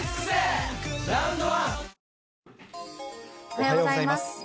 おはようございます。